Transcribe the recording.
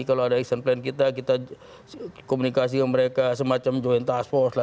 kalau ada action plan kita kita komunikasi ke mereka semacam joint task force lah